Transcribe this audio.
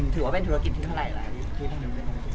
ถือว่าเป็นธุรกิจที่เท่าไหร่แล้ว